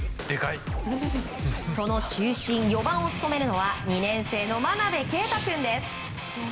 その中心、４番を務めるのは２年生の真鍋慧君です。